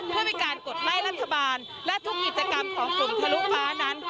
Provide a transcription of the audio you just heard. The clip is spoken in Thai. เพื่อมีการกดไล่รัฐบาลและทุกกิจกรรมของกลุ่มทะลุฟ้านั้น